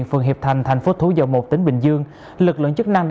xin mời anh quang huy